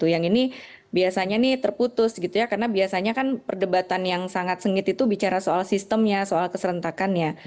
yang ini biasanya terputus gitu ya karena biasanya kan perdebatan yang sangat sengit itu bicara soal sistemnya soal keserentakannya